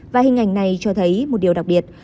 và hình ảnh này cho thấy một điều đặc biệt